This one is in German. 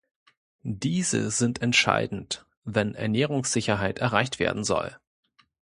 Diese sind entscheidend, wenn Ernährungssicherheit erreicht werden soll.